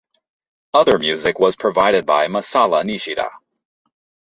Other music was provided by Masala Nishida.